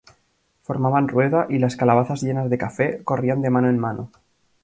formaban rueda, y las calabazas llenas de café, corrían de mano en mano.